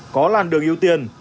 có làn đường ưu tiên